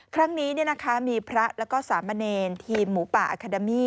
ครั้งนี้มีพระและสามเมรนดิ์ทีมหมู่ป่าอาคาดามี